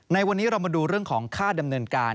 ในวันนี้เรามาดูเรื่องของค่าดำเนินการ